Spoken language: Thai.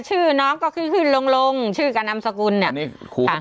ชื่อน้องก็ขึ้นขึ้นลงลงชื่อกานำสกุลเนี้ยอันนี้ครู